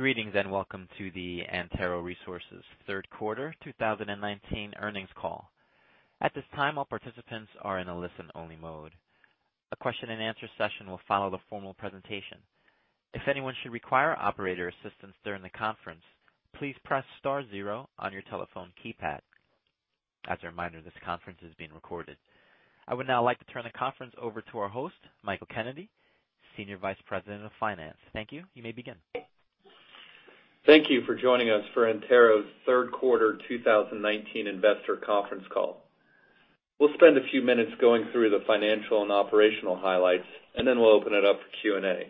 Greetings, and welcome to the Antero Resources third quarter 2019 earnings call. At this time, all participants are in a listen-only mode. A question and answer session will follow the formal presentation. If anyone should require operator assistance during the conference, please press star zero on your telephone keypad. As a reminder, this conference is being recorded. I would now like to turn the conference over to our host, Michael Kennedy, Senior Vice President of Finance. Thank you. You may begin. Thank you for joining us for Antero's third quarter 2019 investor conference call. We'll spend a few minutes going through the financial and operational highlights, and then we'll open it up for Q&A.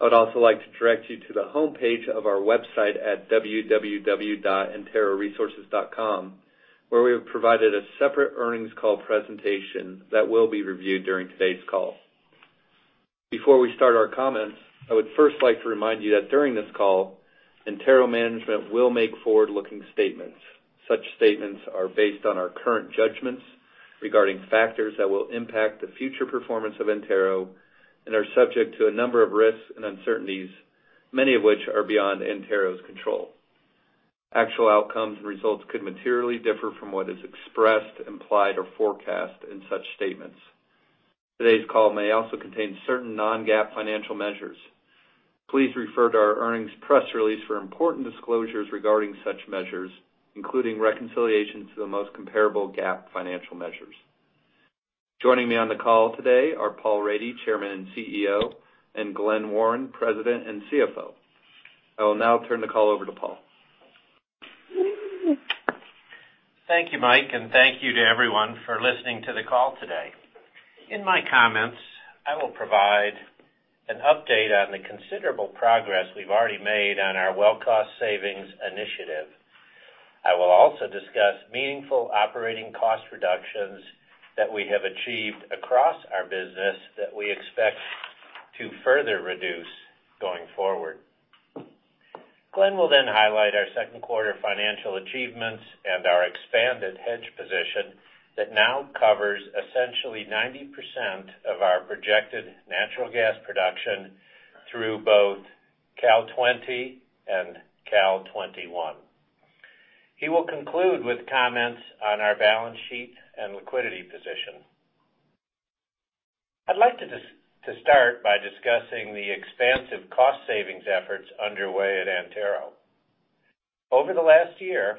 I would also like to direct you to the homepage of our website at www.anteroresources.com, where we have provided a separate earnings call presentation that will be reviewed during today's call. Before we start our comments, I would first like to remind you that during this call, Antero management will make forward-looking statements. Such statements are based on our current judgments regarding factors that will impact the future performance of Antero and are subject to a number of risks and uncertainties, many of which are beyond Antero's control. Actual outcomes and results could materially differ from what is expressed, implied, or forecast in such statements. Today's call may also contain certain non-GAAP financial measures. Please refer to our earnings press release for important disclosures regarding such measures, including reconciliations to the most comparable GAAP financial measures. Joining me on the call today are Paul Rady, Chairman and CEO, and Glen Warren, President and CFO. I will now turn the call over to Paul. Thank you, Mike, and thank you to everyone for listening to the call today. In my comments, I will provide an update on the considerable progress we've already made on our well cost savings initiative. I will also discuss meaningful operating cost reductions that we have achieved across our business that we expect to further reduce going forward. Glen will then highlight our second quarter financial achievements and our expanded hedge position that now covers essentially 90% of our projected natural gas production through both CAL-20 and CAL-21. He will conclude with comments on our balance sheet and liquidity position. I'd like to start by discussing the expansive cost savings efforts underway at Antero. Over the last year,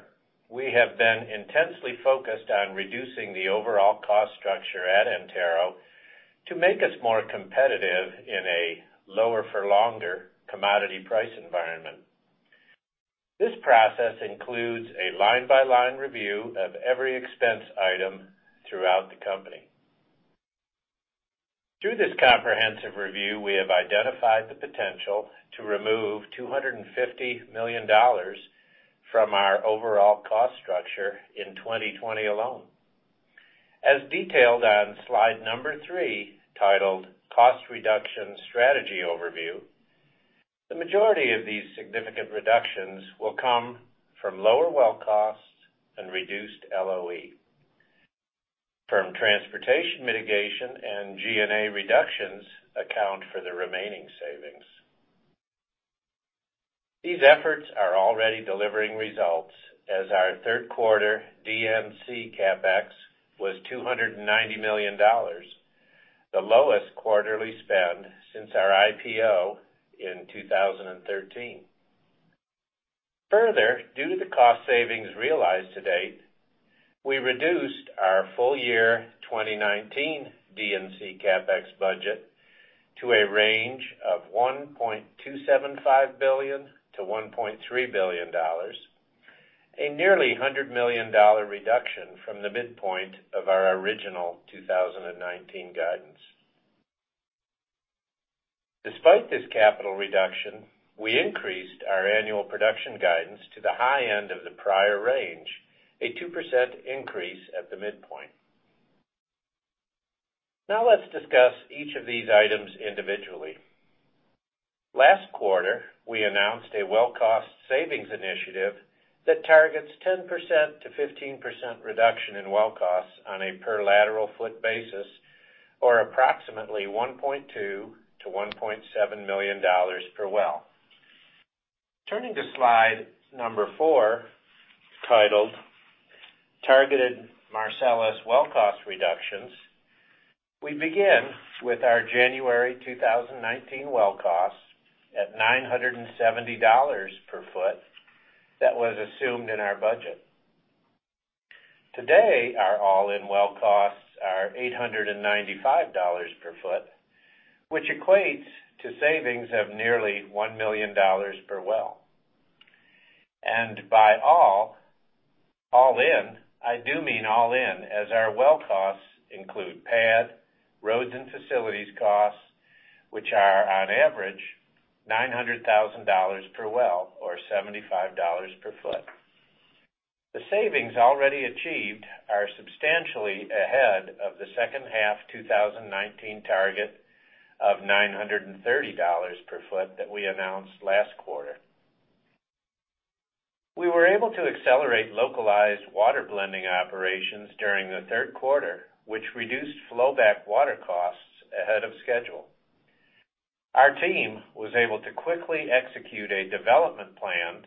we have been intensely focused on reducing the overall cost structure at Antero to make us more competitive in a lower for longer commodity price environment. This process includes a line-by-line review of every expense item throughout the company. Through this comprehensive review, we have identified the potential to remove $250 million from our overall cost structure in 2020 alone. As detailed on slide number three, titled Cost Reduction Strategy Overview, the majority of these significant reductions will come from lower well costs and reduced LOE. Firm transportation mitigation and G&A reductions account for the remaining savings. These efforts are already delivering results as our third quarter D&C CapEx was $290 million, the lowest quarterly spend since our IPO in 2013. Further, due to the cost savings realized to date, we reduced our full year 2019 D&C CapEx budget to a range of $1.275 billion to $1.3 billion, a nearly $100 million reduction from the midpoint of our original 2019 guidance. Despite this capital reduction, we increased our annual production guidance to the high end of the prior range, a 2% increase at the midpoint. Let's discuss each of these items individually. Last quarter, we announced a well cost savings initiative that targets 10%-15% reduction in well costs on a per lateral foot basis or approximately $1.2 million-$1.7 million per well. Turning to slide number four, titled Targeted Marcellus Well Cost Reductions, we begin with our January 2019 well costs at $970 per foot that was assumed in our budget. Today, our all-in well costs are $895 per foot, which equates to savings of nearly $1 million per well. By all in, I do mean all in, as our well costs include pad, roads, and facilities costs, which are on average $900,000 per well, or $75 per foot. The savings already achieved are substantially ahead of the second half 2019 target of $930 per foot that we announced last quarter. We were able to accelerate localized water blending operations during the third quarter, which reduced flowback water costs ahead of schedule. Our team was able to quickly execute a development plan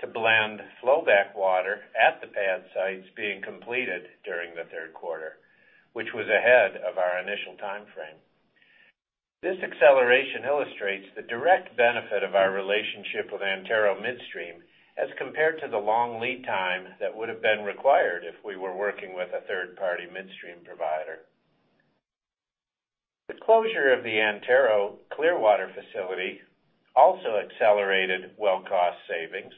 to blend flowback water at the pad sites being completed during the third quarter, which was ahead of our initial timeframe. This acceleration illustrates the direct benefit of our relationship with Antero Midstream as compared to the long lead time that would have been required if we were working with a third-party midstream provider. The closure of the Antero Clearwater facility also accelerated well cost savings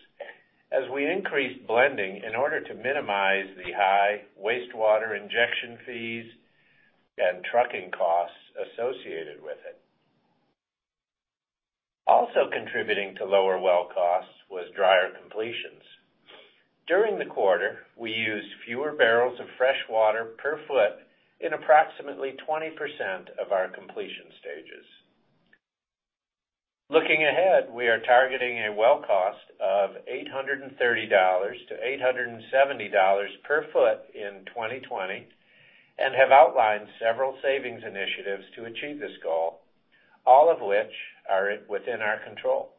as we increased blending in order to minimize the high wastewater injection fees and trucking costs associated with it. Also contributing to lower well costs was drier completions. During the quarter, we used fewer barrels of fresh water per foot in approximately 20% of our completion stages. Looking ahead, we are targeting a well cost of $830-$870 per foot in 2020 and have outlined several savings initiatives to achieve this goal, all of which are within our control.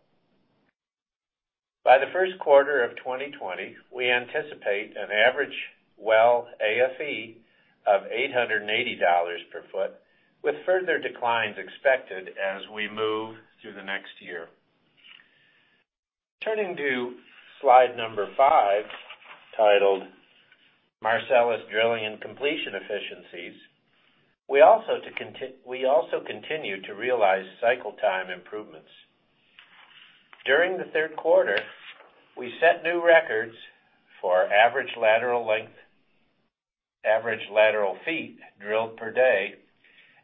By the first quarter of 2020, we anticipate an average well AFE of $880 per foot, with further declines expected as we move through the next year. Turning to slide number five, titled Marcellus Drilling and Completion Efficiencies. We also continue to realize cycle time improvements. During the third quarter, we set new records for average lateral length, average lateral feet drilled per day,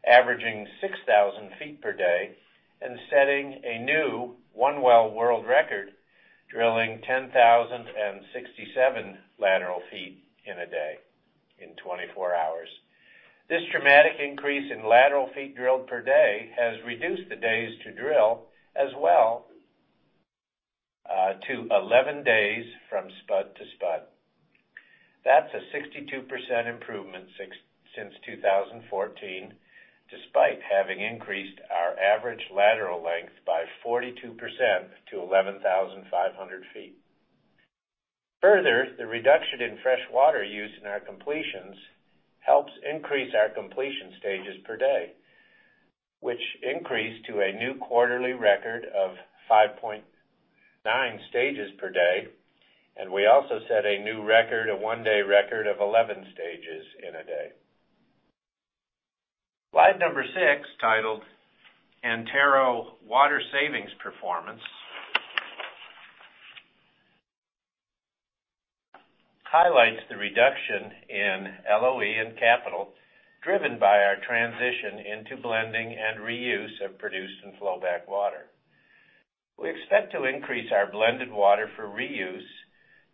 averaging 6,000 feet per day, and setting a new one well world record, drilling 10,067 lateral feet in a day, in 24 hours. This dramatic increase in lateral feet drilled per day has reduced the days to drill as well, to 11 days from spud to spud. That's a 62% improvement since 2014, despite having increased our average lateral length by 42% to 11,500 feet. Further, the reduction in fresh water use in our completions helps increase our completion stages per day, which increased to a new quarterly record of 5.9 stages per day, and we also set a new record, a one-day record of 11 stages in a day. Slide number six, titled Antero Water Savings Performance, highlights the reduction in LOE and capital driven by our transition into blending and reuse of produced and flowback water. We expect to increase our blended water for reuse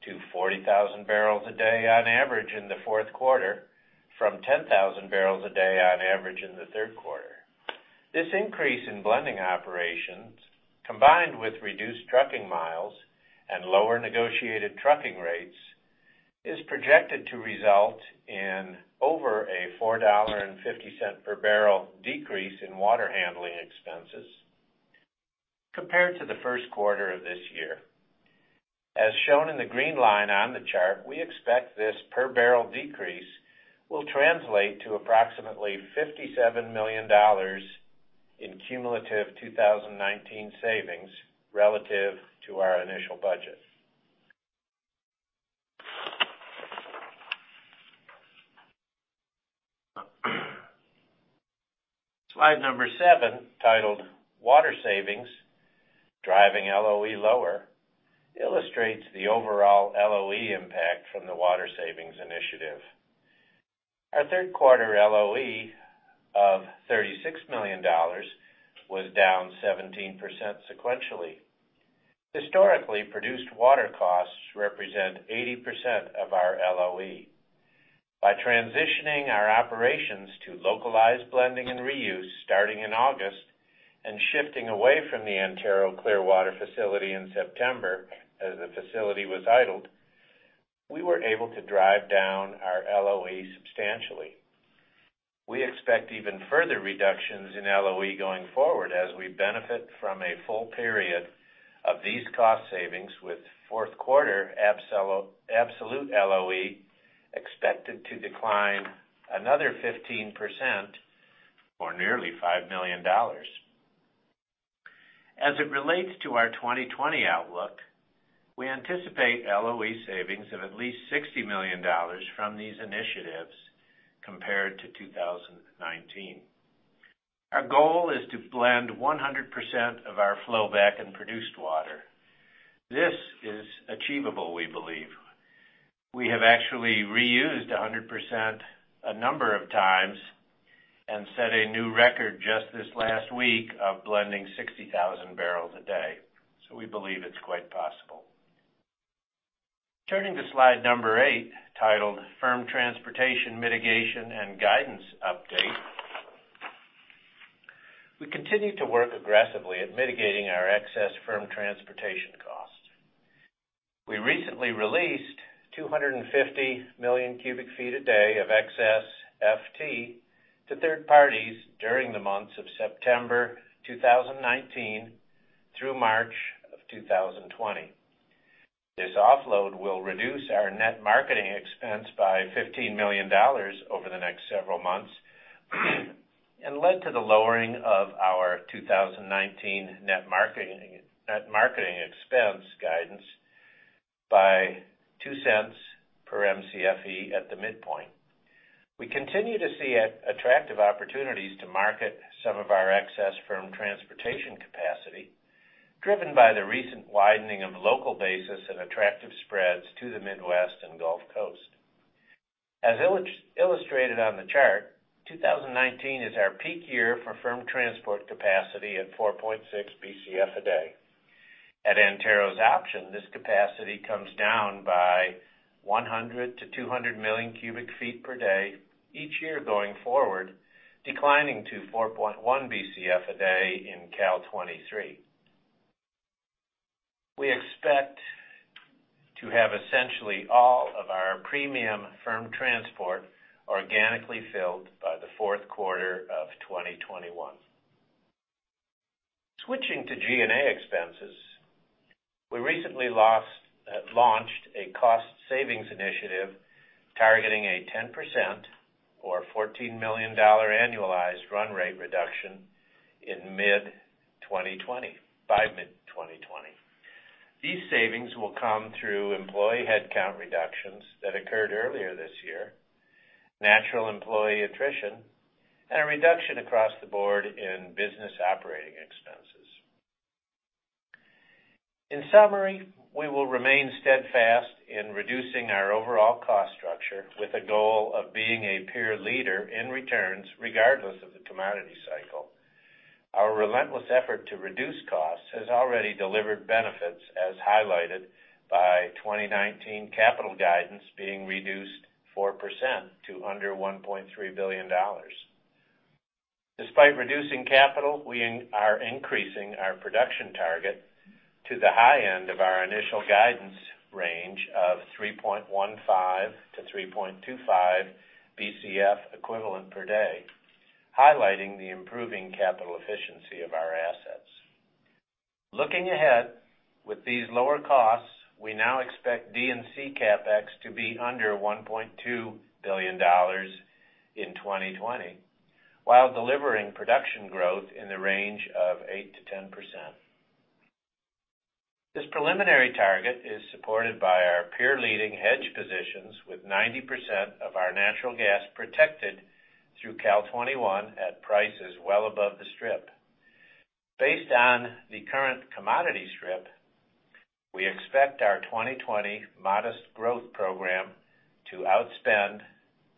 to 40,000 barrels a day on average in the fourth quarter from 10,000 barrels a day on average in the third quarter. This increase in blending operations, combined with reduced trucking miles and lower negotiated trucking rates, is projected to result in over a $4.50 per barrel decrease in water handling expenses compared to the first quarter of this year. As shown in the green line on the chart, we expect this per barrel decrease will translate to approximately $57 million in cumulative 2019 savings relative to our initial budget. Slide number seven, titled Water Savings: Driving LOE Lower, illustrates the overall LOE impact from the water savings initiative. Our third quarter LOE of $36 million was down 17% sequentially. Historically produced water costs represent 80% of our LOE. By transitioning our operations to localized blending and reuse starting in August and shifting away from the Antero Clearwater facility in September, as the facility was idled, we were able to drive down our LOE substantially. We expect even further reductions in LOE going forward as we benefit from a full period of these cost savings with fourth quarter absolute LOE expected to decline another 15%, or nearly $5 million. As it relates to our 2020 outlook, we anticipate LOE savings of at least $60 million from these initiatives compared to 2019. Our goal is to blend 100% of our flowback and produced water. This is achievable, we believe. We have actually reused 100% a number of times and set a new record just this last week of blending 60,000 barrels a day. We believe it's quite possible. Turning to slide number eight, titled Firm Transportation Mitigation and Guidance Update. Continue to work aggressively at mitigating our excess firm transportation costs. We recently released 250 million cubic feet a day of excess FT to third parties during the months of September 2019 through March of 2020. This offload will reduce our net marketing expense by $15 million over the next several months and led to the lowering of our 2019 net marketing expense guidance by $0.02 per Mcfe at the midpoint. We continue to see attractive opportunities to market some of our excess firm transportation capacity, driven by the recent widening of local basis and attractive spreads to the Midwest and Gulf Coast. As illustrated on the chart, 2019 is our peak year for firm transport capacity at 4.6 Bcf a day. At Antero's option, this capacity comes down by 100 million to 200 million cubic feet per day, each year going forward, declining to 4.1 Bcf a day in Cal-23. We expect to have essentially all of our premium firm transport organically filled by the fourth quarter of 2021. Switching to G&A expenses, we recently launched a cost savings initiative targeting a 10% or $14 million annualized run rate reduction by mid-2020. These savings will come through employee headcount reductions that occurred earlier this year, natural employee attrition, and a reduction across the board in business operating expenses. In summary, we will remain steadfast in reducing our overall cost structure with a goal of being a peer leader in returns, regardless of the commodity cycle. Our relentless effort to reduce costs has already delivered benefits, as highlighted by 2019 capital guidance being reduced 4% to under $1.3 billion. Despite reducing capital, we are increasing our production target to the high end of our initial guidance range of 3.15-3.25 Bcf equivalent per day, highlighting the improving capital efficiency of our assets. Looking ahead, with these lower costs, we now expect D&C CapEx to be under $1.2 billion in 2020, while delivering production growth in the range of 8%-10%. This preliminary target is supported by our peer leading hedge positions with 90% of our natural gas protected through Cal-21 at prices well above the strip. Based on the current commodity strip, we expect our 2020 modest growth program to outspend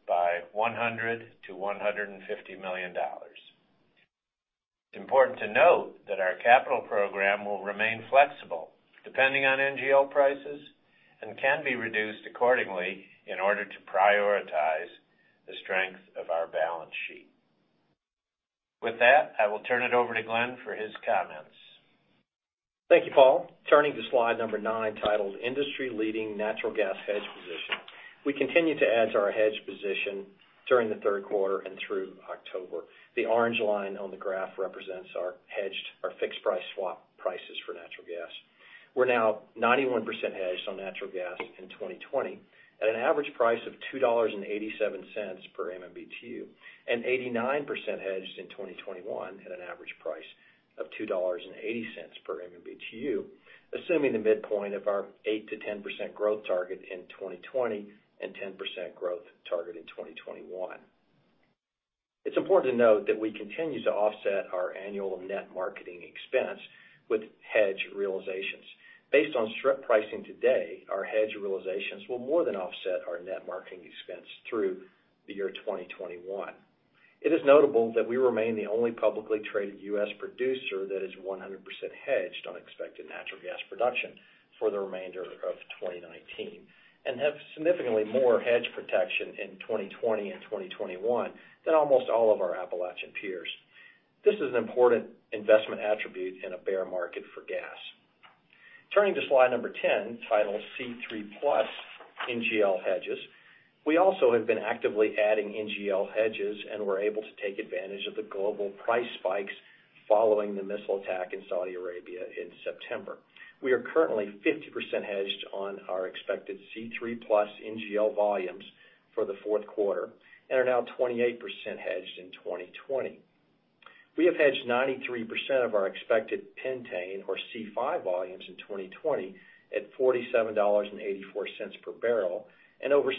by $100 million-$150 million. It's important to note that our capital program will remain flexible depending on NGL prices and can be reduced accordingly in order to prioritize the strength of our balance sheet. With that, I will turn it over to Glen for his comments. Thank you, Paul. Turning to slide number nine, titled "Industry Leading Natural Gas Hedge Position." We continue to add to our hedge position during the third quarter and through October. The orange line on the graph represents our hedged or fixed price swap prices for natural gas. We are now 91% hedged on natural gas in 2020 at an average price of $2.87 per MMBtu, and 89% hedged in 2021 at an average price of $2.80 per MMBtu, assuming the midpoint of our 8%-10% growth target in 2020 and 10% growth target in 2021. It is important to note that we continue to offset our annual net marketing expense with hedge realizations. Based on strip pricing today, our hedge realizations will more than offset our net marketing expense through the year 2021. It is notable that we remain the only publicly traded U.S. producer that is 100% hedged on expected natural gas production for the remainder of 2019, and have significantly more hedge protection in 2020 and 2021 than almost all of our Appalachian peers. This is an important investment attribute in a bear market for gas. Turning to slide number 10, titled "C3+ NGL Hedges," we also have been actively adding NGL hedges and were able to take advantage of the global price spikes following the missile attack in Saudi Arabia in September. We are currently 50% hedged on our expected C3+ NGL volumes for the fourth quarter and are now 28% hedged in 2020. We have hedged 93% of our expected pentane or C5 volumes in 2020 at $47.84 per barrel and over 60%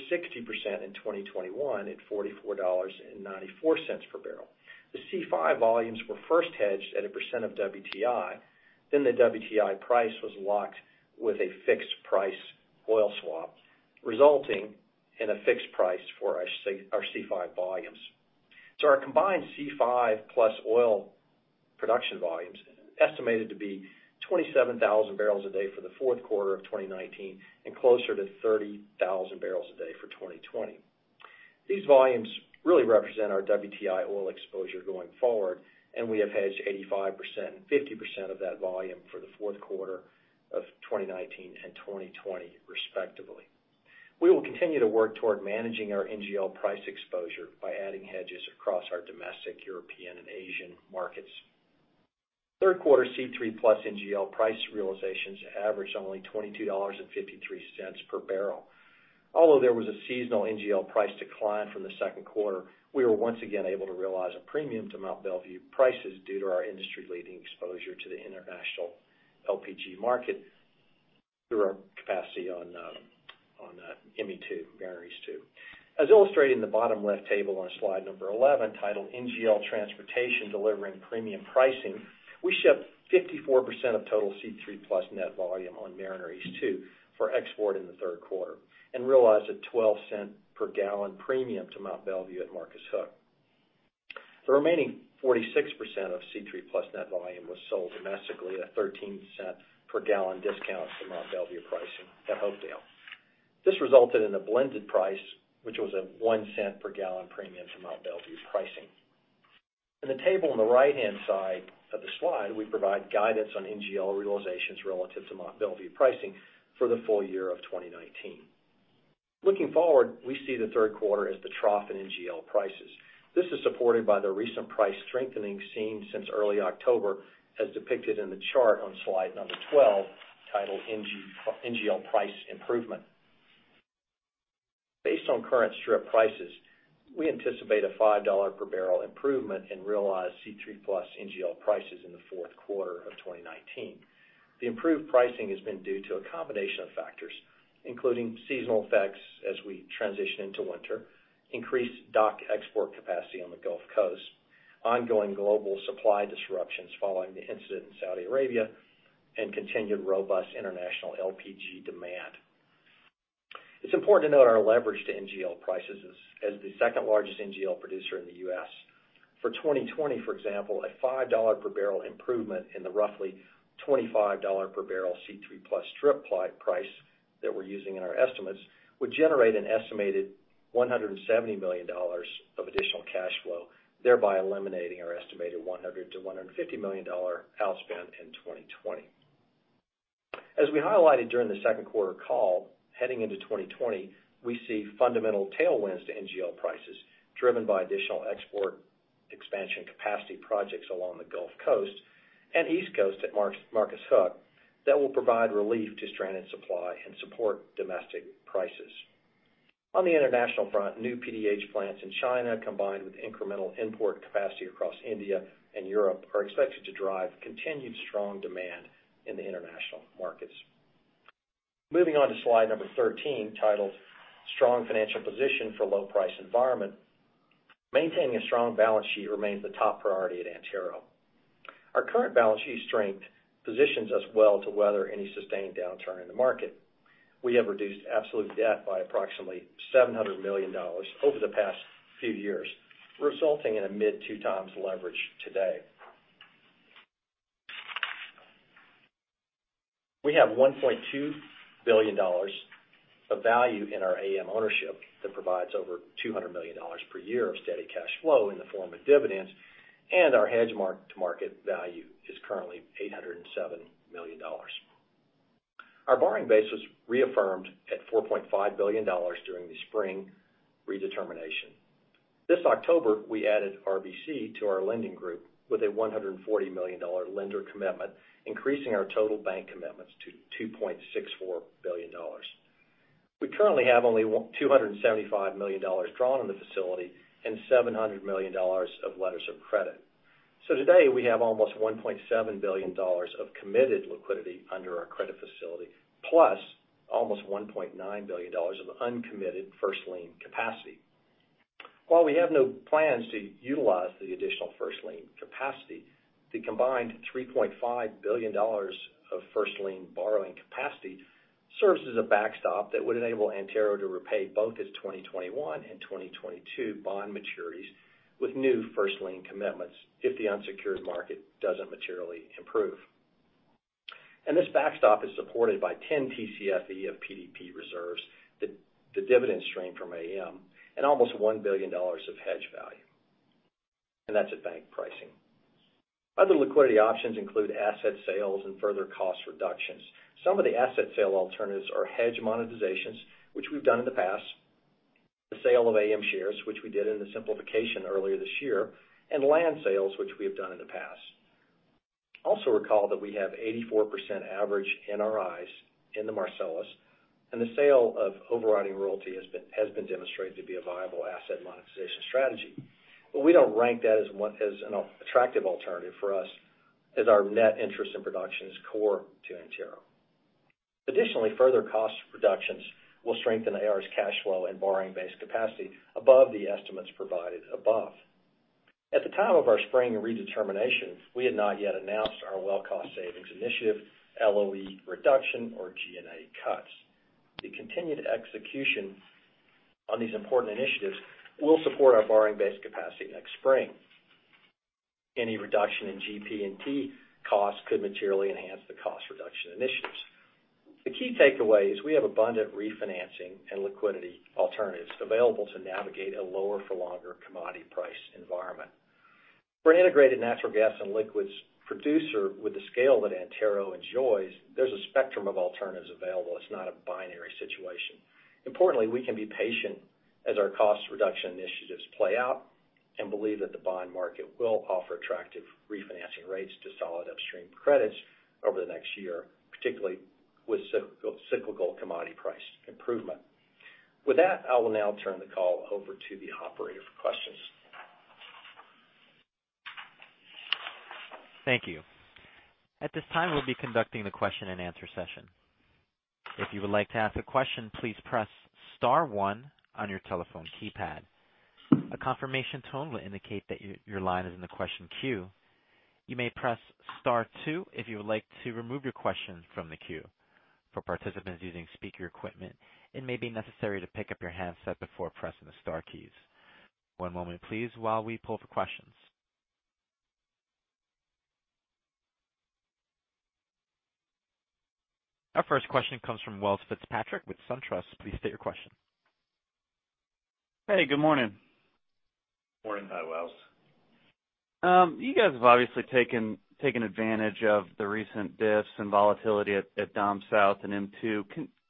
in 2021 at $44.94 per barrel. The C5 volumes were first hedged at a % of WTI. The WTI price was locked with a fixed price oil swap, resulting in a fixed price for our C5 volumes. Our combined C5 plus oil production estimated to be 27,000 barrels a day for the fourth quarter of 2019 and closer to 30,000 barrels a day for 2020. These volumes really represent our WTI oil exposure going forward, and we have hedged 85% and 50% of that volume for the fourth quarter of 2019 and 2020 respectively. We will continue to work toward managing our NGL price exposure by adding hedges across our domestic, European, and Asian markets. Third quarter C3+ NGL price realizations averaged only $22.53 per barrel. Although there was a seasonal NGL price decline from the second quarter, we were once again able to realize a premium to Mont Belvieu prices due to our industry-leading exposure to the international LPG market through our capacity on ME2, Mariner East 2. As illustrated in the bottom left table on slide number 11, titled NGL Transportation Delivering Premium Pricing, we shipped 54% of total C3+ net volume on Mariner East 2 for export in the third quarter and realized a $0.12 per gallon premium to Mont Belvieu at Marcus Hook. The remaining 46% of C3+ net volume was sold domestically at $0.13 per gallon discount to Mont Belvieu pricing at Hopedale. This resulted in a blended price, which was at $0.01 per gallon premium to Mont Belvieu pricing. In the table on the right-hand side of the slide, we provide guidance on NGL realizations relative to Mont Belvieu pricing for the full year of 2019. Looking forward, we see the third quarter as the trough in NGL prices. This is supported by the recent price strengthening seen since early October as depicted in the chart on slide number 12 titled NGL Price Improvement. Based on current strip prices, we anticipate a $5 per barrel improvement in realized C3+ NGL prices in the fourth quarter of 2019. The improved pricing has been due to a combination of factors, including seasonal effects as we transition into winter, increased dock export capacity on the Gulf Coast, ongoing global supply disruptions following the incident in Saudi Arabia, and continued robust international LPG demand. It's important to note our leverage to NGL prices as the second-largest NGL producer in the U.S. For 2020, for example, a $5 per barrel improvement in the roughly $25 per barrel C3+ strip price that we're using in our estimates would generate an estimated $170 million of additional cash flow, thereby eliminating our estimated $100 million-$150 million outspend in 2020. As we highlighted during the second quarter call, heading into 2020, we see fundamental tailwinds to NGL prices driven by additional export expansion capacity projects along the Gulf Coast and East Coast at Marcus Hook that will provide relief to stranded supply and support domestic prices. On the international front, new PDH plants in China, combined with incremental import capacity across India and Europe, are expected to drive continued strong demand in the international markets. Moving on to slide number 13, titled Strong Financial Position for Low Price Environment. Maintaining a strong balance sheet remains the top priority at Antero. Our current balance sheet strength positions us well to weather any sustained downturn in the market. We have reduced absolute debt by approximately $700 million over the past few years, resulting in a mid two times leverage today. We have $1.2 billion of value in our AM ownership that provides over $200 million per year of steady cash flow in the form of dividends, and our hedge mark-to-market value is currently $807 million. Our borrowing base was reaffirmed at $4.5 billion during the spring redetermination. This October, we added RBC to our lending group with a $140 million lender commitment, increasing our total bank commitments to $2.64 billion. We currently have only $275 million drawn on the facility and $700 million of letters of credit. Today, we have almost $1.7 billion of committed liquidity under our credit facility, plus almost $1.9 billion of uncommitted first-lien capacity. While we have no plans to utilize the additional first-lien capacity, the combined $3.5 billion of first-lien borrowing capacity serves as a backstop that would enable Antero to repay both its 2021 and 2022 bond maturities with new first-lien commitments if the unsecured market doesn't materially improve. This backstop is supported by 10 TCFE of PDP reserves, the dividend stream from AM, and almost $1 billion of hedge value, and that's at bank pricing. Other liquidity options include asset sales and further cost reductions. Some of the asset sale alternatives are hedge monetizations, which we've done in the past, the sale of AM shares, which we did in the simplification earlier this year, and land sales, which we have done in the past. Recall that we have 84% average NRIs in the Marcellus, and the sale of overriding royalty has been demonstrated to be a viable asset monetization strategy. We don't rank that as an attractive alternative for us as our net interest in production is core to Antero. Additionally, further cost reductions will strengthen AR's cash flow and borrowing base capacity above the estimates provided above. At the time of our spring redetermination, we had not yet announced our well cost savings initiative, LOE reduction, or G&A cuts. The continued execution on these important initiatives will support our borrowing-based capacity next spring. Any reduction in GP&T costs could materially enhance the cost reduction initiatives. The key takeaway is we have abundant refinancing and liquidity alternatives available to navigate a lower for longer commodity price environment. For an integrated natural gas and liquids producer with the scale that Antero enjoys, there's a spectrum of alternatives available. It's not a binary situation. Importantly, we can be patient as our cost reduction initiatives play out and believe that the bond market will offer attractive refinancing rates to solid upstream credits over the next year, particularly with cyclical commodity price improvement. With that, I will now turn the call over to the operator for questions. Thank you. At this time, we'll be conducting the question and answer session. If you would like to ask a question, please press star one on your telephone keypad. A confirmation tone will indicate that your line is in the question queue. You may press star two if you would like to remove your question from the queue. For participants using speaker equipment, it may be necessary to pick up your handset before pressing the star keys. One moment please while we pull for questions. Our first question comes from Welles Fitzpatrick with SunTrust. Please state your question. Hey, good morning. Morning. Hi, Welles. You guys have obviously taken advantage of the recent dips and volatility at Dom South and M2.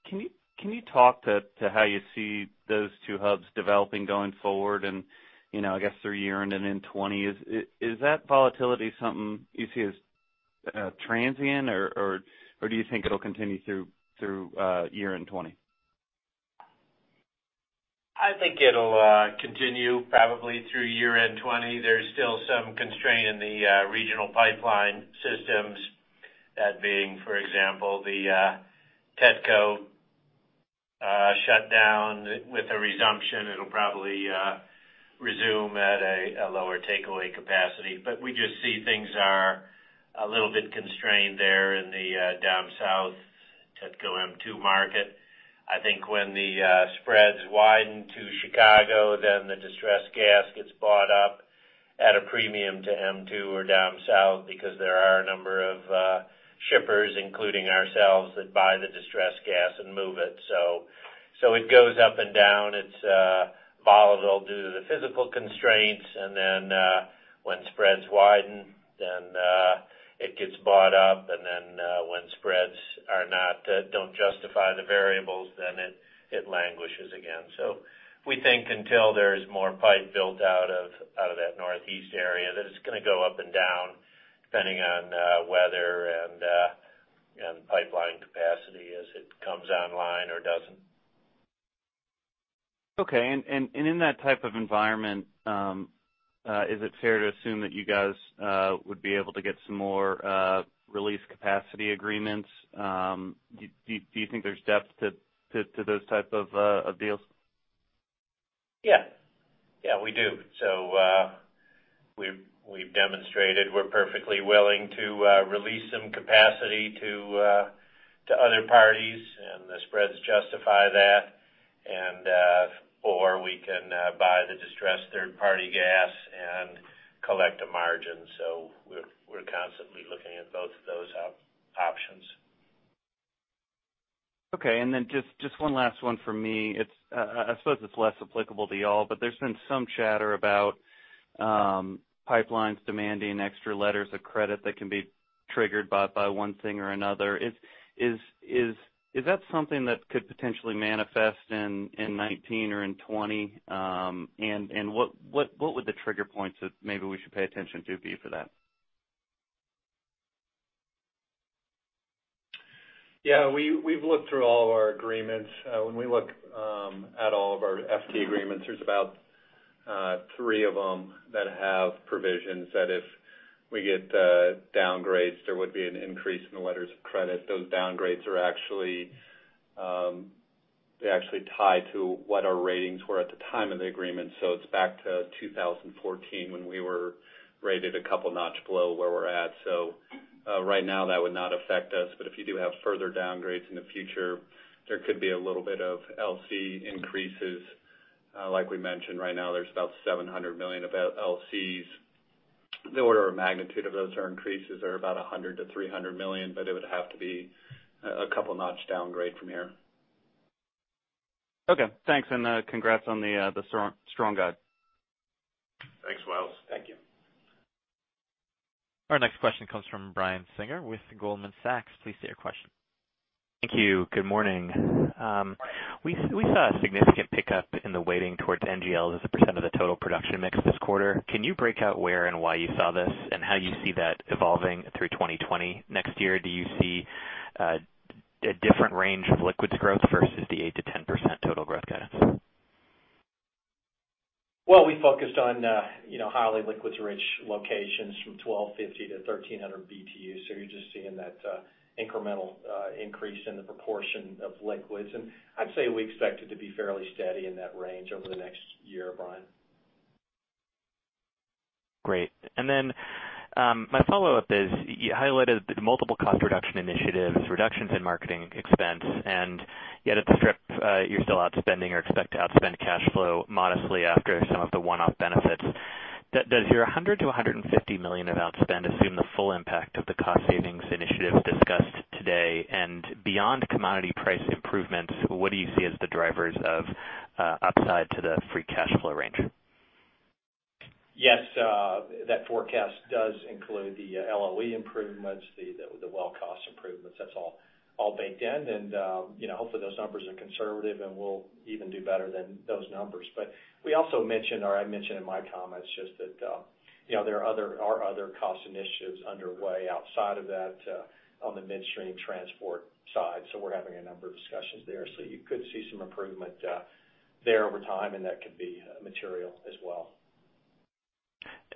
Can you talk to how you see those two hubs developing going forward and I guess through year-end and in 2020? Is that volatility something you see as transient, or do you think it'll continue through year-end 2020? I think it'll continue probably through year-end 2020. There's still some constraint in the regional pipeline systems. That being, for example, the TETCO shutdown. With a resumption, it'll probably resume at a lower takeaway capacity. We just see things are a little bit constrained there in the Dom South TETCO ME2 market. I think when the spreads widen to Chicago, then the distressed gas gets bought up at a premium to ME2 or Dom South because there are a number of shippers, including ourselves, that buy the distressed gas and move it. It goes up and down. It's volatile due to the physical constraints, and then when spreads widen, then it gets bought up, and then when spreads don't justify the variables, then it languishes again. We think until there's more pipe built out of that Northeast area that it's going to go up and down depending on weather and pipeline capacity as it comes online or doesn't. Okay. In that type of environment, is it fair to assume that you guys would be able to get some more release capacity agreements? Do you think there's depth to those type of deals? Yeah. We do. We've demonstrated we're perfectly willing to release some capacity to other parties, and the spreads justify that. We can buy the distressed third-party gas and collect a margin. We're constantly looking at both of those options. Okay, just one last one from me. I suppose it's less applicable to you all, but there's been some chatter about pipelines demanding extra letters of credit that can be triggered by one thing or another. Is that something that could potentially manifest in 2019 or in 2020? What would the trigger points that maybe we should pay attention to be for that? Yeah. We've looked through all of our agreements. When we look at all of our FT agreements, there's about three of them that have provisions that if we get downgrades, there would be an increase in the letters of credit. Those downgrades are actually tied to what our ratings were at the time of the agreement. It's back to 2014 when we were rated a couple notch below where we're at. Right now, that would not affect us, but if you do have further downgrades in the future, there could be a little bit of LC increases. Like we mentioned, right now there's about $700 million of LCs. The order of magnitude of those increases are about $100 million-$300 million, but it would have to be a couple notch downgrade from here. Okay, thanks, and congrats on the strong guide. Thanks, Welles. Thank you. Our next question comes from Brian Singer with Goldman Sachs. Please state your question. Thank you. Good morning. Morning. We saw a significant pickup in the weighting towards NGL as a % of the total production mix this quarter. Can you break out where and why you saw this and how you see that evolving through 2020? Next year, do you see a different range of liquids growth versus the 8%-10% total growth guidance? We focused on highly liquids-rich locations from 1,250-1,300 BTU, so you're just seeing that incremental increase in the proportion of liquids. I'd say we expect it to be fairly steady in that range over the next year, Brian. Great. My follow-up is, you highlighted the multiple cost reduction initiatives, reductions in marketing expense, and yet at the strip, you're still outspending or expect to outspend cash flow modestly after some of the one-off benefits. Does your $100 million-$150 million of outspend assume the full impact of the cost savings initiatives discussed today? Beyond commodity price improvements, what do you see as the drivers of upside to the free cash flow range? Yes, that forecast does include the LOE improvements, the well cost improvements. That's all baked in. Hopefully those numbers are conservative, and we'll even do better than those numbers. We also mentioned, or I mentioned in my comments just that there are other cost initiatives underway outside of that on the midstream transport side. We're having a number of discussions there. You could see some improvement there over time, and that could be material as well.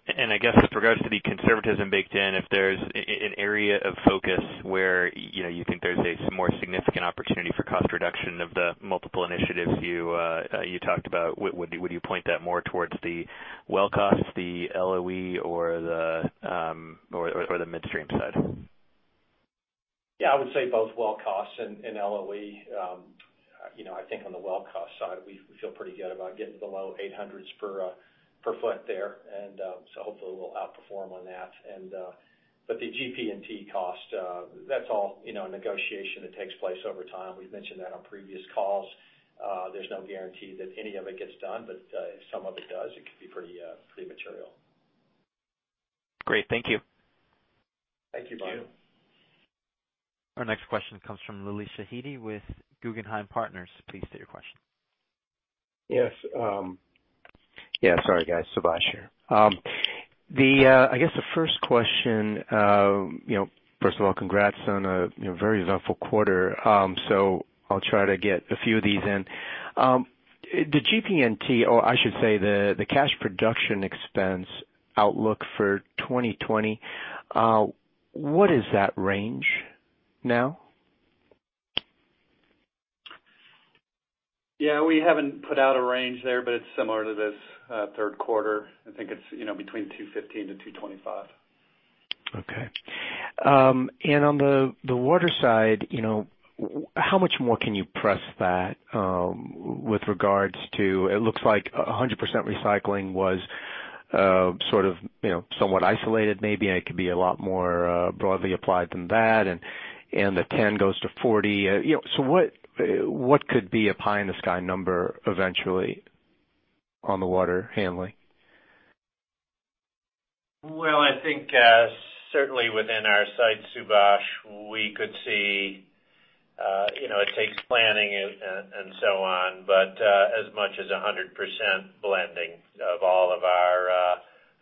I guess with regards to the conservatism baked in, if there's an area of focus where you think there's a more significant opportunity for cost reduction of the multiple initiatives you talked about, would you point that more towards the well cost, the LOE, or the midstream side? Yeah, I would say both well cost and LOE. I think on the well cost side, we feel pretty good about getting to the low 800s per foot there. Hopefully we'll outperform on that. The GP&T cost, that's all negotiation that takes place over time. We've mentioned that on previous calls. There's no guarantee that any of it gets done, but if some of it does, it could be pretty material. Great. Thank you. Thank you, Brian. Our next question comes from Subash Chandra with Guggenheim Partners. Please state your question. Yes. Yeah, sorry guys, Subash here. I guess the first question, first of all, congrats on a very eventful quarter. I'll try to get a few of these in. The GP&T, or I should say, the cash production expense outlook for 2020, what is that range now? Yeah, we haven't put out a range there, but it's similar to this third quarter. I think it's between $215-$225. Okay. On the water side, how much more can you press that with regards to it looks like 100% recycling was somewhat isolated maybe, and it could be a lot more broadly applied than that, and the 10 goes to 40. What could be a pie in the sky number eventually on the water handling? Well, I think certainly within our site, Subash, we could see it takes planning and so on, but as much as 100% blending of all of our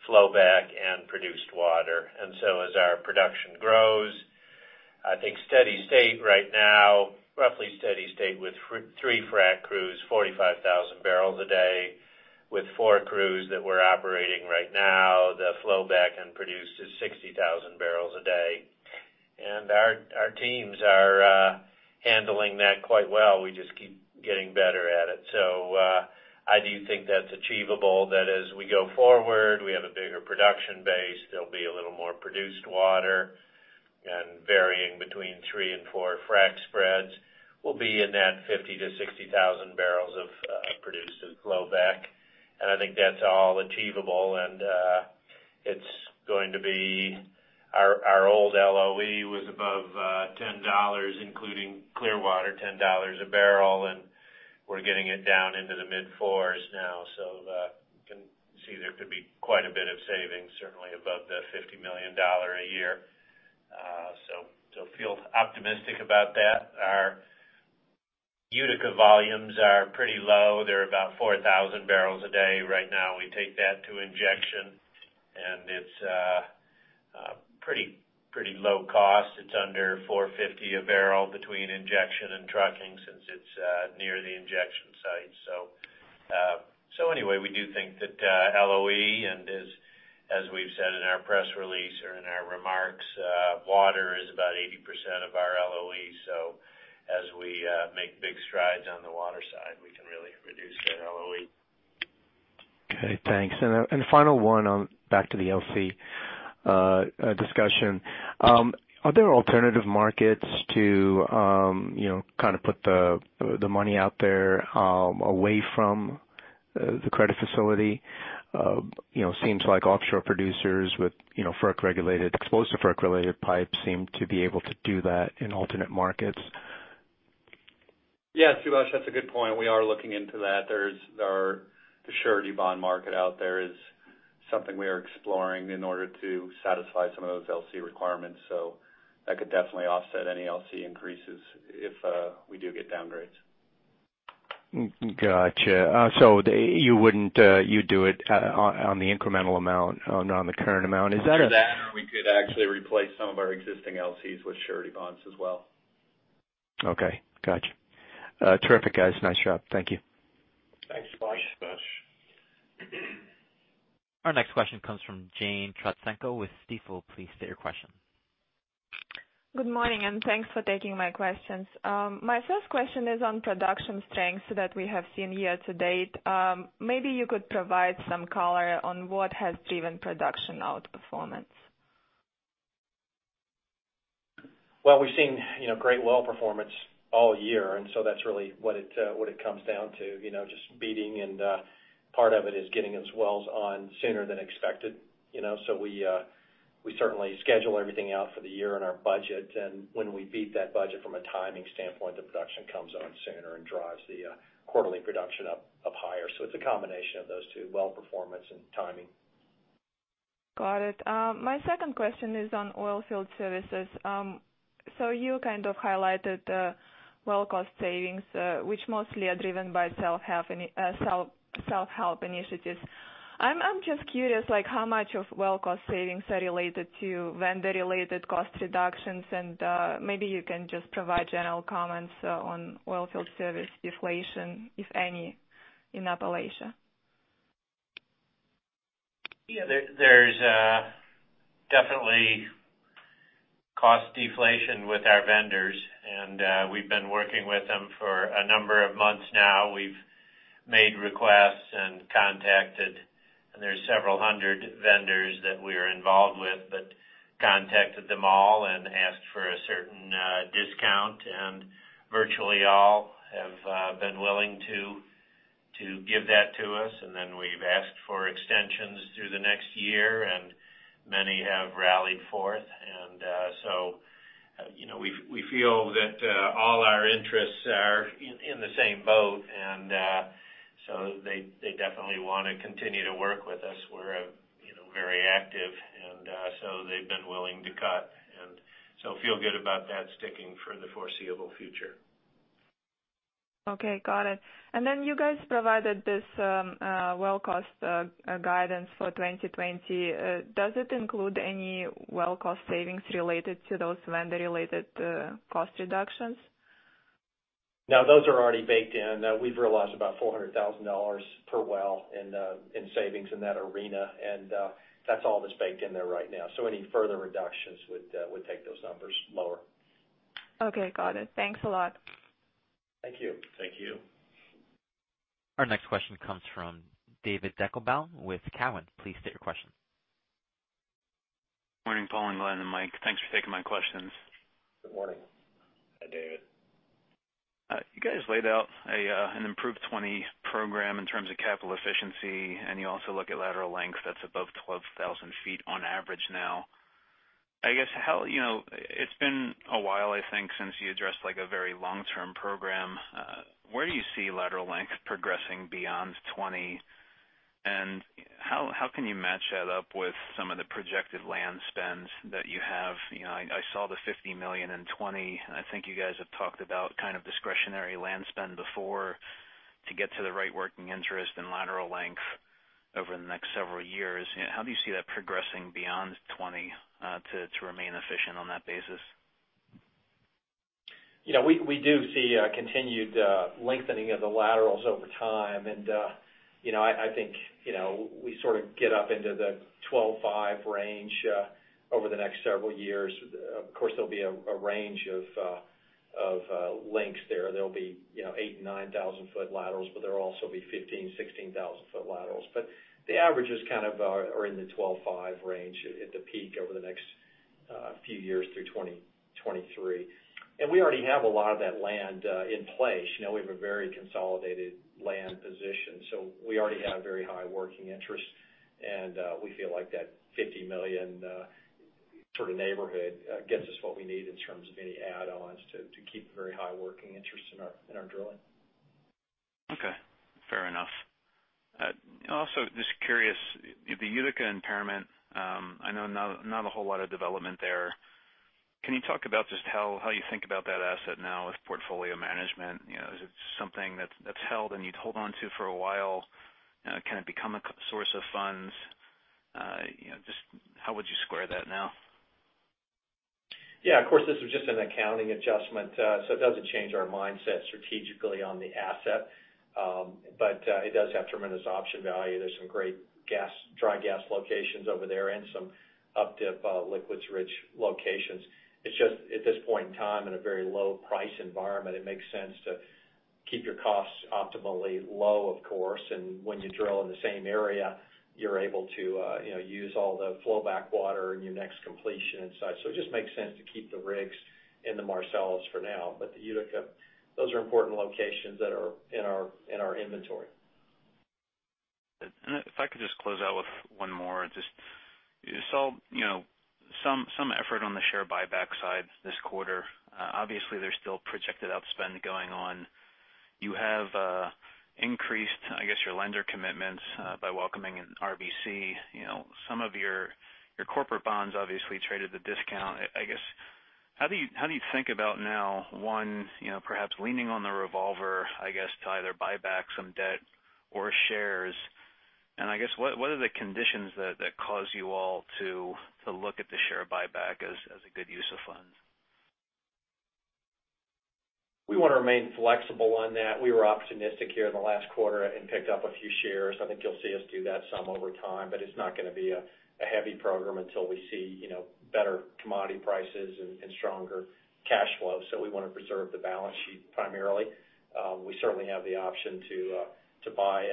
flow back and produced water. As our production grows, I think steady state right now, roughly steady state with 3 frac crews, 45,000 barrels a day. With 4 crews that we're operating right now, the flow back and produce is 60,000 barrels a day. Our teams are handling that quite well. We just keep getting better at it. I do think that's achievable, that as we go forward, we have a bigger production base, there'll be a little more produced water, and varying between 3 and 4 frac spreads will be in that 50,000-60,000 barrels of produced flow back. I think that's all achievable. It's going to be our old LOE was above $10, including Clearwater, $10 a barrel. We're getting it down into the mid-fours now. You can see there could be quite a bit of savings, certainly above the $50 million a year. Feel optimistic about that. Our Utica volumes are pretty low. They're about 4,000 barrels a day right now. We take that to injection, it's pretty low cost. It's under $4.50 a barrel between injection and trucking since it's near the injection site. We do think that LOE, as we've said in our press release or in our remarks, water is about 80% of our LOE. As we make big strides on the water side, we can really reduce that LOE. Okay, thanks. A final one on back to the LC discussion. Are there alternative markets to put the money out there away from the credit facility? Seems like offshore producers with FERC-regulated, exclusive FERC-related pipes seem to be able to do that in alternate markets. Yeah, Subash, that's a good point. We are looking into that. The surety bond market out there is something we are exploring in order to satisfy some of those LC requirements. That could definitely offset any LC increases if we do get downgrades. Got you. You'd do it on the incremental amount on the current amount. Is that? That, or we could actually replace some of our existing LCs with surety bonds as well. Okay. Got you. Terrific, guys. Nice job. Thank you. Thanks, Subash. Thanks, Subash. Our next question comes from Jane Trotsenko with Stifel. Please state your question. Good morning. Thanks for taking my questions. My first question is on production strength that we have seen year to date. Maybe you could provide some color on what has driven production outperformance. Well, we've seen great well performance all year, and so that's really what it comes down to, just beating, and part of it is getting those wells on sooner than expected. We certainly schedule everything out for the year in our budget. When we beat that budget from a timing standpoint, the production comes on sooner and drives the quarterly production up higher. It's a combination of those two, well performance and timing. Got it. My second question is on oil field services. You kind of highlighted the well cost savings, which mostly are driven by self-help initiatives. I'm just curious, how much of well cost savings are related to vendor-related cost reductions? Maybe you can just provide general comments on oil field service deflation, if any, in Appalachia. Yeah. There's definitely cost deflation with our vendors, and we've been working with them for a number of months now. We've made requests and contacted, and there's several hundred vendors that we are involved with, but contacted them all and asked for a certain discount, and virtually all have been willing to give that to us. We've asked for extensions through the next year, and many have rallied forth. We feel that all our interests are in the same boat, and so they definitely want to continue to work with us. We're very active, and so they've been willing to cut. We feel good about that sticking for the foreseeable future. Okay. Got it. You guys provided this well cost guidance for 2020. Does it include any well cost savings related to those vendor-related cost reductions? No, those are already baked in. We've realized about $400,000 per well in savings in that arena, and that's all that's baked in there right now. Any further reductions would take those numbers lower. Okay, got it. Thanks a lot. Thank you. Thank you. Our next question comes from David Deckelbaum with Cowen. Please state your question. Morning, Paul, Glen, and Mike. Thanks for taking my questions. Good morning. Hi, David. You guys laid out an improved 2020 program in terms of capital efficiency, and you also look at lateral length that's above 12,000 feet on average now. I guess, it's been a while, I think, since you addressed a very long-term program. Where do you see lateral length progressing beyond 2020, and how can you match that up with some of the projected land spends that you have? I saw the $50 million in 2020. I think you guys have talked about discretionary land spend before to get to the right working interest and lateral length over the next several years. How do you see that progressing beyond 2020 to remain efficient on that basis? We do see a continued lengthening of the laterals over time. I think we sort of get up into the 12,500 range over the next several years. Of course, there'll be a range of lengths there. There'll be 8,000, 9,000-foot laterals, but there'll also be 15,000, 16,000-foot laterals. The averages are in the 12,500 range at the peak over the next few years through 2023. We already have a lot of that land in place. We have a very consolidated land position, so we already have very high working interest, and we feel like that $50 million sort of neighborhood gets us what we need in terms of any add-ons to keep very high working interest in our drilling. Okay. Fair enough. Also, just curious, the Utica impairment, I know not a whole lot of development there. Can you talk about just how you think about that asset now with portfolio management? Is it something that's held and you'd hold onto for a while? Can it become a source of funds? Just how would you square that now? Of course, this was just an accounting adjustment. It doesn't change our mindset strategically on the asset. It does have tremendous option value. There's some great dry gas locations over there and some uptick liquids-rich locations. It's just at this point in time, in a very low price environment, it makes sense to keep your costs optimally low, of course. When you drill in the same area, you're able to use all the flow back water in your next completion and such. It just makes sense to keep the rigs in the Marcellus for now. The Utica, those are important locations that are in our inventory. If I could just close out with one more. Just saw some effort on the share buyback side this quarter. Obviously, there's still projected outspend going on. You have increased, I guess, your lender commitments by welcoming in RBC. Some of your corporate bonds obviously traded at a discount. I guess, how do you think about now, one, perhaps leaning on the revolver, I guess, to either buy back some debt or shares? I guess, what are the conditions that cause you all to look at the share buyback as a good use of funds? We want to remain flexible on that. We were opportunistic here in the last quarter and picked up a few shares. I think you'll see us do that some over time, but it's not going to be a heavy program until we see better commodity prices and stronger cash flow. We want to preserve the balance sheet primarily. We certainly have the option to buy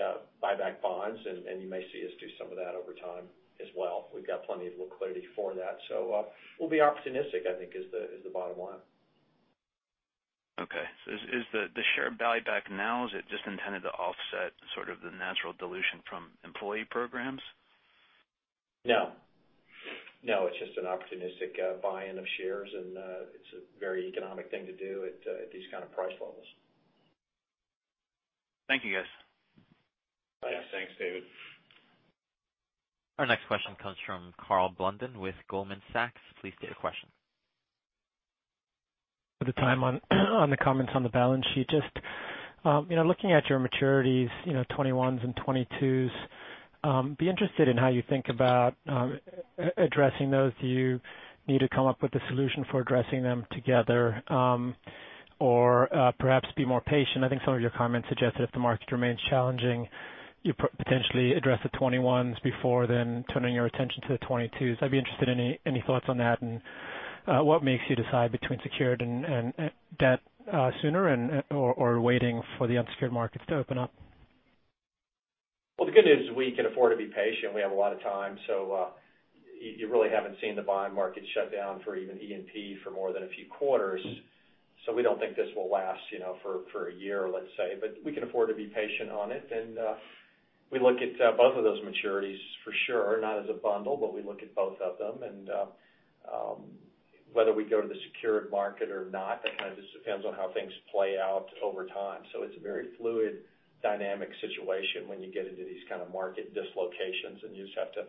back bonds, and you may see us do some of that over time as well. We've got plenty of liquidity for that. We'll be opportunistic, I think is the bottom line. Okay. Is the share buyback now, is it just intended to offset sort of the natural dilution from employee programs? No. It's just an opportunistic buying of shares and it's a very economic thing to do at these kind of price levels. Thank you, guys. Bye. Yeah. Thanks, David. Our next question comes from Karl Blunden with Goldman Sachs. Please state your question. For the time on the comments on the balance sheet, just looking at your maturities, 21s and 22s, be interested in how you think about addressing those. Do you need to come up with a solution for addressing them together? Or perhaps be more patient. I think some of your comments suggest that if the market remains challenging, you potentially address the 21s before then turning your attention to the 22s. I'd be interested in any thoughts on that and what makes you decide between secured and debt sooner or waiting for the unsecured markets to open up. The good news is we can afford to be patient. We have a lot of time. You really haven't seen the bond market shut down for even E&P for more than a few quarters. We don't think this will last for a year, let's say. We can afford to be patient on it. We look at both of those maturities for sure, not as a bundle, but we look at both of them and whether we go to the secured market or not, that kind of just depends on how things play out over time. It's a very fluid, dynamic situation when you get into these kind of market dislocations, and you just have to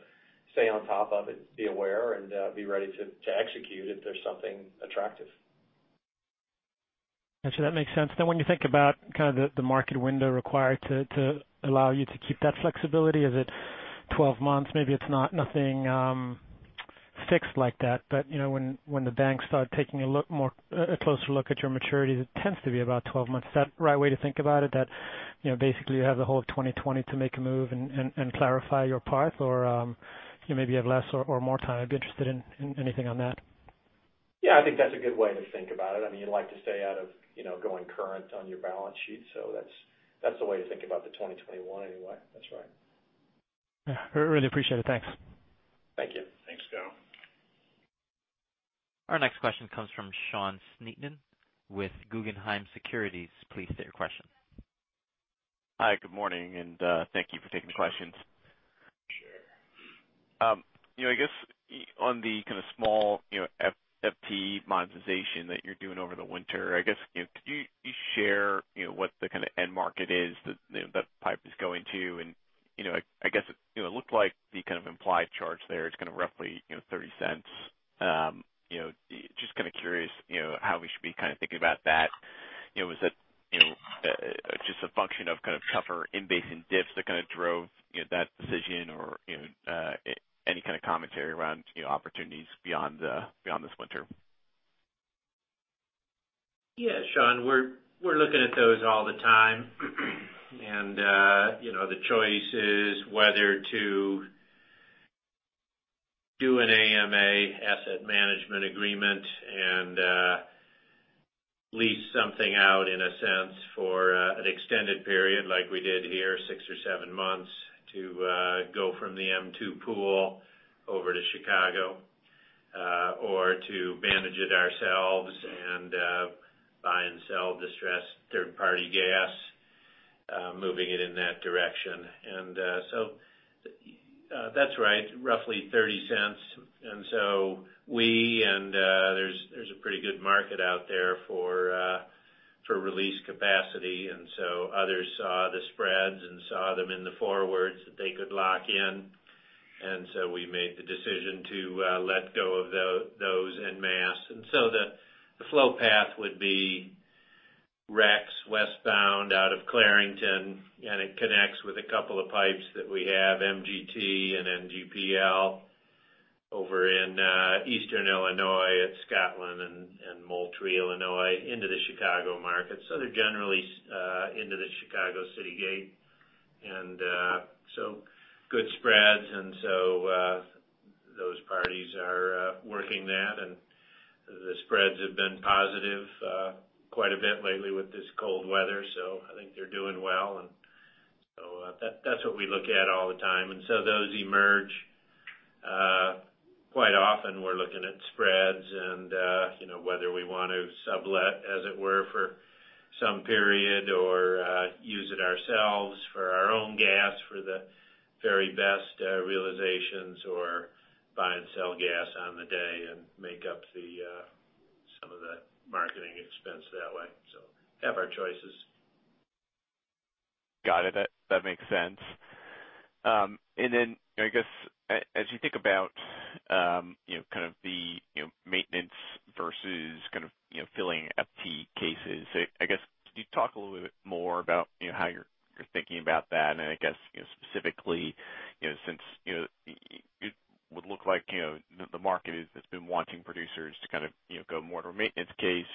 stay on top of it, be aware, and be ready to execute if there's something attractive. Got you. That makes sense. When you think about the market window required to allow you to keep that flexibility, is it 12 months? Maybe it's nothing fixed like that, but when the banks start taking a closer look at your maturity, that tends to be about 12 months. Is that the right way to think about it, that basically you have the whole of 2020 to make a move and clarify your path, or you maybe have less or more time? I'd be interested in anything on that. Yeah, I think that's a good way to think about it. You'd like to stay out of going current on your balance sheet. That's the way to think about the 2021 anyway. That's right. Yeah. Really appreciate it. Thanks. Thank you. Thanks, Karl. Our next question comes from Sean Sneeden with Guggenheim Securities. Please state your question. Hi, good morning, and thank you for taking the questions. Sure. I guess on the kind of small FT monetization that you're doing over the winter, could you share what the kind of end market is that pipe is going to? I guess it looked like the kind of implied charge there is kind of roughly $0.30. Just kind of curious how we should be kind of thinking about that. Was it just a function of kind of tougher in-basin diffs that kind of drove that decision or any kind of commentary around opportunities beyond this winter? Sean, we're looking at those all the time. The choice is whether to do an AMA, asset management agreement, and lease something out in a sense for an extended period like we did here, six or seven months to go from the ME2 pool over to Chicago. To manage it ourselves and buy and sell distressed third-party gas, moving it in that direction. That's right, roughly $0.30. There's a pretty good market out there for release capacity. Others saw the spreads and saw them in the forwards that they could lock in. We made the decision to let go of those en masse. The flow path would be REX westbound out of Clarington, and it connects with a couple of pipes that we have, MGT and NGPL over in Eastern Illinois at Scotland and Moultrie, Illinois, into the Chicago market. They're generally into the Chicago city gate, good spreads, those parties are working that, and the spreads have been positive quite a bit lately with this cold weather. I think they're doing well. That's what we look at all the time. Those emerge. Quite often, we're looking at spreads and whether we want to sublet, as it were, for some period or use it ourselves for our own gas for the very best realizations or buy and sell gas on the day and make up some of the marketing expense that way. Have our choices. Got it. That makes sense. As you think about kind of the maintenance versus kind of filling FT cases, could you talk a little bit more about how you're thinking about that? Specifically, since it would look like the market has been wanting producers to kind of go more to a maintenance case,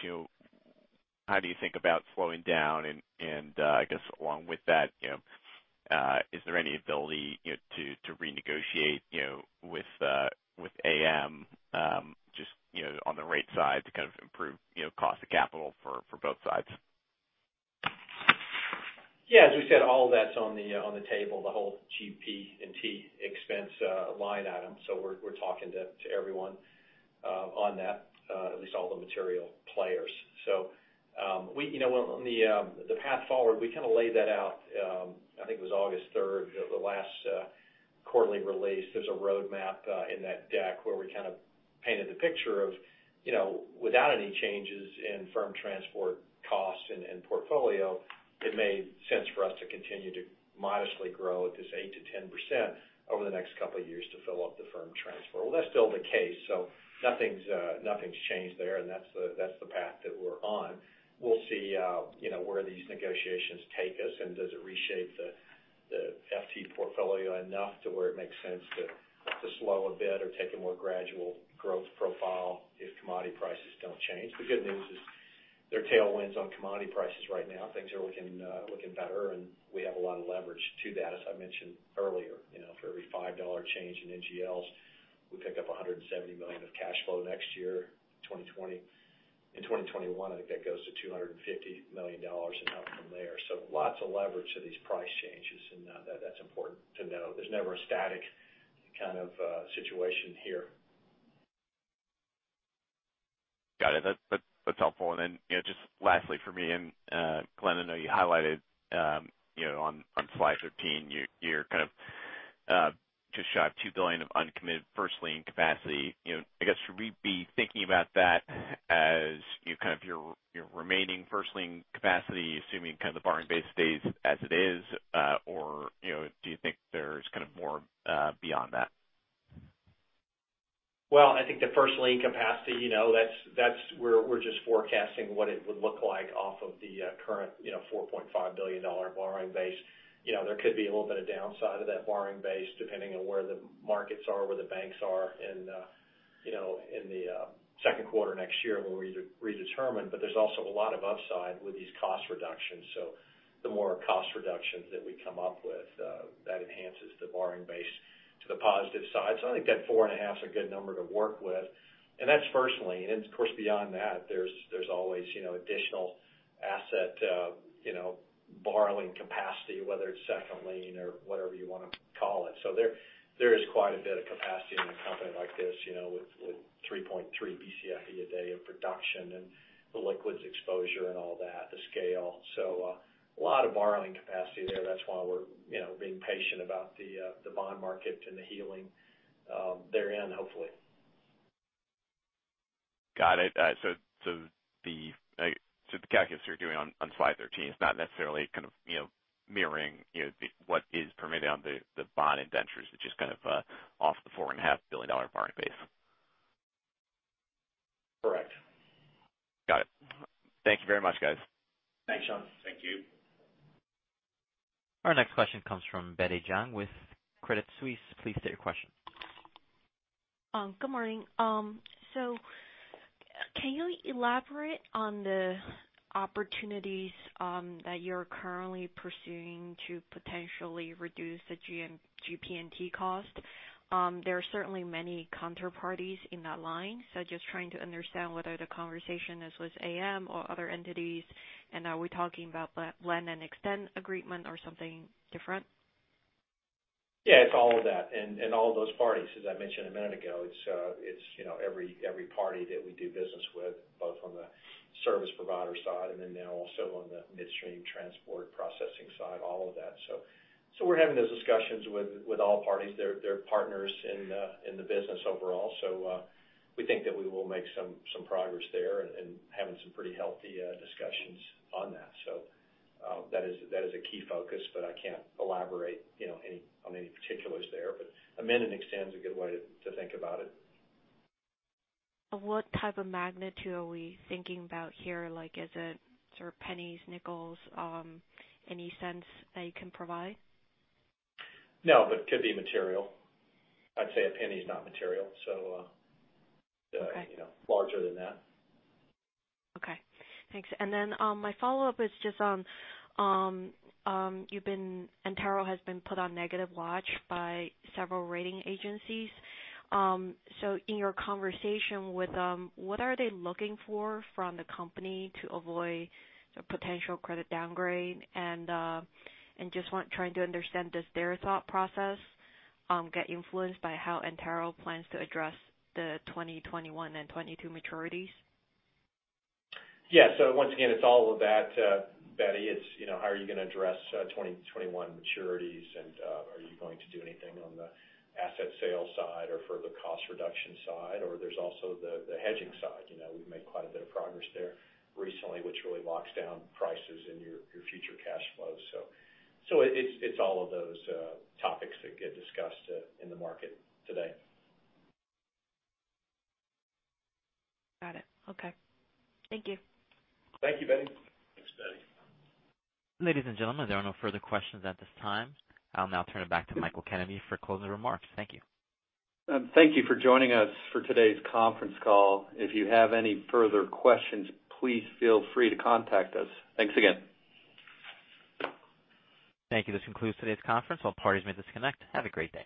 how do you think about slowing down? Along with that, is there any ability to renegotiate with AM just on the rate side to kind of improve cost of capital for both sides? Yeah, as we said, all that's on the table, the whole GP&T expense line item. We're talking to everyone on that, at least all the material players. On the path forward, we kind of laid that out, I think it was August 3rd, the last quarterly release. There's a roadmap in that deck where we kind of painted the picture of, without any changes in firm transport costs and portfolio, it made sense for us to continue to modestly grow at this 8% to 10% over the next couple of years to fill up the firm transport. Well, that's still the case. Nothing's changed there, and that's the path that we're on. We'll see where these negotiations take us, does it reshape the FT portfolio enough to where it makes sense to slow a bit or take a more gradual growth profile if commodity prices don't change. The good news is there are tailwinds on commodity prices right now. Things are looking better, we have a lot of leverage to that. As I mentioned earlier, for every $5 change in NGLs, we pick up $170 million of cash flow next year, 2020. In 2021, I think that goes to $250 million and up from there. Lots of leverage to these price changes, that's important to know. There's never a static kind of situation here. Got it. That's helpful. Just lastly for me, Glen, I know you highlighted on slide 13, you're kind of just shy of $2 billion of uncommitted first lien capacity. I guess, should we be thinking about that as kind of your remaining first lien capacity, assuming kind of the borrowing base stays as it is? Do you think there's kind of more beyond that? I think the first lien capacity, we're just forecasting what it would look like off of the current $4.5 billion borrowing base. There could be a little bit of downside of that borrowing base, depending on where the markets are, where the banks are in the second quarter next year when we redetermine. There's also a lot of upside with these cost reductions. The more cost reductions that we come up with, that enhances the borrowing base to the positive side. I think that four and a half is a good number to work with, and that's first lien. Of course, beyond that, there's always additional asset borrowing capacity, whether it's second lien or whatever you want to call it. There is quite a bit of capacity in a company like this with 3.3 Bcf a day of production and the liquids exposure and all that, the scale. A lot of borrowing capacity there. That's why we're being patient about the bond market and the healing therein, hopefully. Got it. The calculus you're doing on slide 13 is not necessarily kind of mirroring what is permitted on the bond indentures. It's just kind of off the $4.5 billion borrowing base. Correct. Got it. Thank you very much, guys. Thanks, Sean. Thank you. Our next question comes from Betty Jiang with Credit Suisse. Please state your question. Good morning. Can you elaborate on the opportunities that you're currently pursuing to potentially reduce the GP&T cost? There are certainly many counterparties in that line. Just trying to understand whether the conversation is with AM or other entities, and are we talking about amend and extend agreement or something different? Yeah, it's all of that and all those parties. As I mentioned a minute ago, it's every party that we do business with, both on the service provider side and then now also on the midstream transport processing side, all of that. We're having those discussions with all parties. They're partners in the business overall. We think that we will make some progress there and having some pretty healthy discussions on that. That is a key focus, but I can't elaborate on any particulars there. Amend and extend is a good way to think about it. What type of magnitude are we thinking about here? Like, is it sort of pennies, nickels? Any sense that you can provide? No, but could be material. I'd say $0.01 is not material. Okay. Larger than that. Okay, thanks. My follow-up is just on Antero has been put on negative watch by several rating agencies. In your conversation with them, what are they looking for from the company to avoid a potential credit downgrade? Just trying to understand, does their thought process get influenced by how Antero plans to address the 2021 and 2022 maturities? Yeah. Once again, it's all of that, Betty. It's how are you going to address 2021 maturities, and are you going to do anything on the asset sales side or further cost reduction side? There's also the hedging side. We've made quite a bit of progress there recently, which really locks down prices and your future cash flow. It's all of those topics that get discussed in the market today. Got it. Okay. Thank you. Thank you, Betty. Thanks, Betty. Ladies and gentlemen, there are no further questions at this time. I will now turn it back to Michael Kennedy for closing remarks. Thank you. Thank you for joining us for today's conference call. If you have any further questions, please feel free to contact us. Thanks again. Thank you. This concludes today's conference. All parties may disconnect. Have a great day.